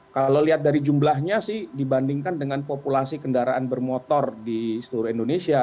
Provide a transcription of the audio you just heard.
kalau lihat dari jumlahnya sih dibandingkan dengan populasi kendaraan bermotor di seluruh indonesia